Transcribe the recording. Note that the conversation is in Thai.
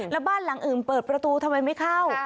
แล้วบ้านหลังอื่นเปิดประตูทำไมไม่เข้า